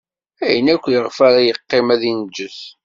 Ayen akk iɣef ara yeqqim ad inǧes.